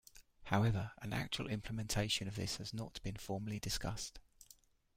However, an actual implementation of this has not been formally discussed.